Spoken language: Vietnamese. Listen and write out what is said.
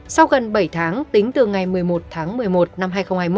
sau gần bảy tháng tính từ ngày một mươi một tháng một mươi một năm hai nghìn hai mươi một